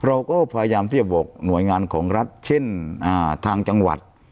เราก็พยายามที่จะบอกหน่วยงานของรัฐเช่นทางจังหวัด